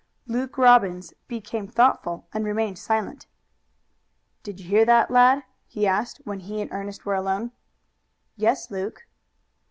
Luke Robbins became thoughtful and remained silent. "Did you hear that, lad?" he asked, when he and Ernest were alone. "Yes, Luke."